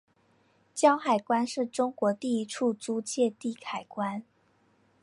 胶海关是中国第一处租借地海关。